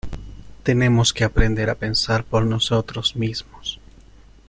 Tenemos que aprender a pensar por nosotros mismos.